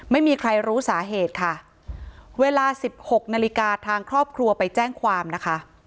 ไม่มีใครรู้สาเหตุค่ะเวลาสิบหกนาฬิกาทางครอบครัวไปแจ้งความนะคะ